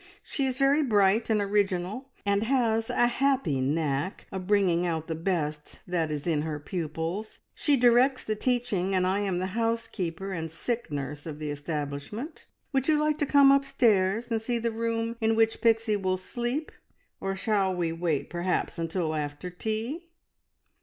She is very bright and original, and has a happy knack of bringing out the best that is in her pupils. She directs the teaching, and I am the housekeeper and sick nurse of the establishment. Would you like to come upstairs, and see the room in which Pixie will sleep, or shall we wait perhaps until after tea?"